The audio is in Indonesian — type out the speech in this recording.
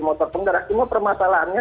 motor penggerak cuma permasalahannya